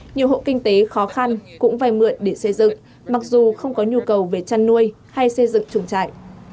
nhiều hộ kinh tế khó khăn cũng vay mượn để xây dựng mặc dù không có nhu cầu về chăn nuôi hay xây dựng chuồng trại